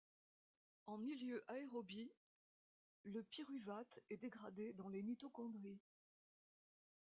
En milieu aérobie, le pyruvate est dégradé dans les mitochondries.